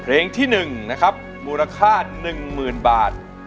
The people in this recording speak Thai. เพลงที่๑นะครับมูลค่า๑๐๐๐บาท